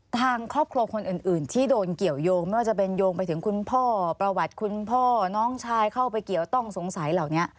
ทางครอบครัวคนอื่นที่โดนเกี่ยวยงไม่ว่าจะเป็นโยงไปถึงคุณพ่อประวัติคุณพ่อน้องชายเข้าไปเกี่ยวต้องสงสัยเหล่านี้